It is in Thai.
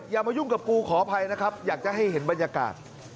อย่ามายุ่งกับกูขออภัยนะครับอยากจะให้เห็นบรรยากาศ